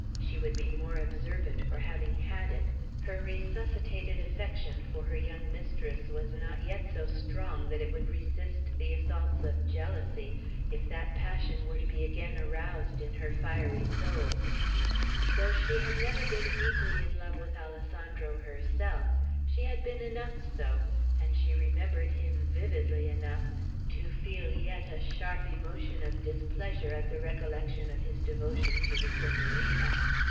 She would be more observant for having had it; her resuscitated affection far her young mistress was not yet so strong that it would resist the assaults of jealousy, if that passion were to be again aroused in her fiery soul. Though she had never been deeply in love with Alessandro herself, she had been enough so, and she remembered him vividly enough, to feel yet a sharp emotion of displeasure at the recollection of his devotion to the Senorita.